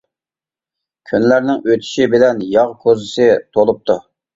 كۈنلەرنىڭ ئۆتىشى بىلەن ياغ كوزىسى تولۇپتۇ.